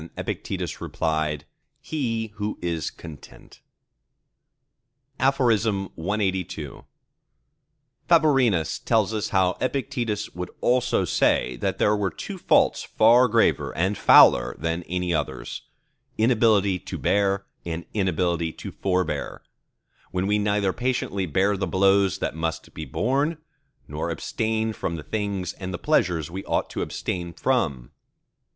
_ Epictetus replied, "He who is content." CLXXXIII Favorinus tells us how Epictetus would also say that there were two faults far graver and fouler than any others—inability to bear, and inability to forbear, when we neither patiently bear the blows that must be borne, nor abstain from the things and the pleasures we ought to abstain from.